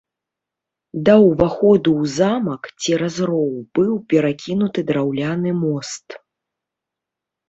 Да ўваходу ў замак цераз роў быў перакінуты драўляны мост.